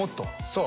そう。